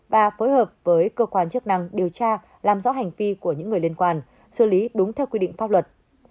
và phối hợp với cơ quan chức năng điều tra làm rõ hành vi của những người liên quan xử lý đúng theo quy định pháp luật